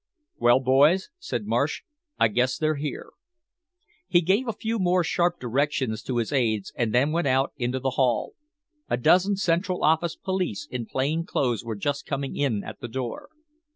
"Well, boys," said Marsh, "I guess they're here." He gave a few more sharp directions to his aides and then went out into the hall. A dozen Central Office police in plain clothes were just coming in at the door.